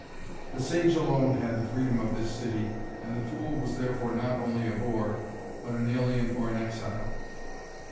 The sage alone had the freedom of this city and the fool was therefore not only a boor, but an alien or an exile.